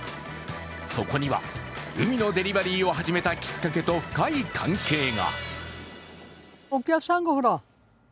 そこには海のデリバリーを始めたきっかけと深い関係が。